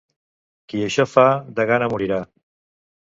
Qui això fa, de gana morirà.